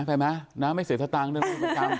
ไปมานะไม่เสียสตางค์ด้วย